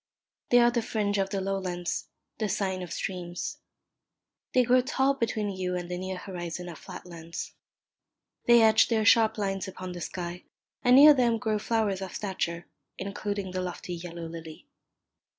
They are the fringe of the low lands, the sign of streams. They grow tall between you and the near horizon of flat lands. They etch their sharp lines upon the sky; and near them grow flowers of stature, including the lofty yellow lily.